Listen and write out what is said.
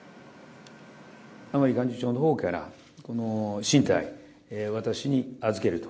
甘利幹事長のほうから、この進退、私に預けると。